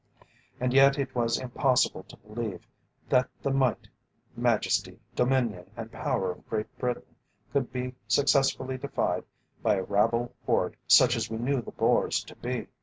And yet it was impossible to believe that the Might, Majesty, Dominion, and power of Great Britain could be successfully defied by a rabble horde such as we knew the Boers to be.